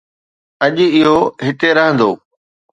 اڄ، اهو هتي رهندو